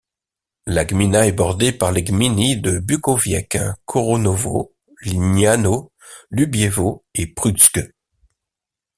La gmina est bordée par les gminy de Bukowiec, Koronowo, Lniano, Lubiewo et Pruszcz.